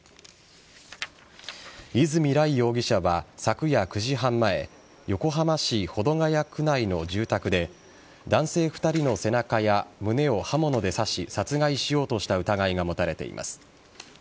泉羅行容疑者は、昨夜９時半前横浜市保土ケ谷区内の住宅で男性２人の背中や胸を刃物で刺し殺害しようとした疑いが持たれています。